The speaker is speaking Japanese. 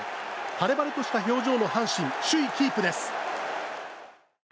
晴れ晴れとした表情の阪神首位キープです。